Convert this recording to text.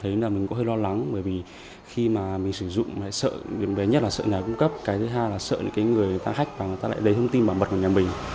thì mình cũng hơi lo lắng bởi vì khi mà mình sử dụng mình lại sợ nhất là sợ nhà cung cấp cái thứ hai là sợ người ta khách và người ta lại lấy thông tin bảo mật của nhà mình